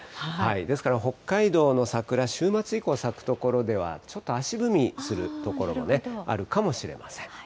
ですから、北海道の桜、週末以降、咲く所では、ちょっと足踏みする所もあるかもしれません。